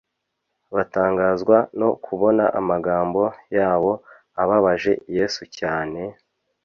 Batangazwa no kubona amagambo yabo ababaje Yesu cyane,